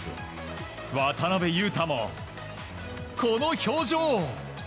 渡邊雄太も、この表情。